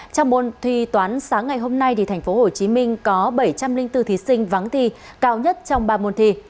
trong môn thi toán sáng ngày hôm nay tp hcm có bảy trăm linh bốn thí sinh vắng thi cao nhất trong ba môn thi